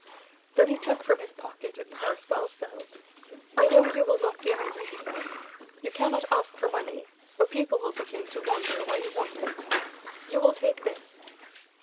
Then he took from his pocket a purse well filled. "I know you will not be angry," he said. "You cannot ask for money, or people will begin to wonder why you want it. You will take this."